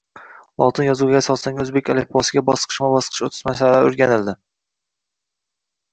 Lotin yozuviga asoslangan o‘zbek alifbosiga bosqicha-bosqich o‘tish masalalari o‘rganildi